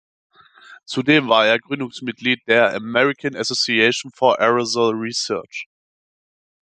Zudem war er Gründungsmitglied der "American Association for Aerosol Research".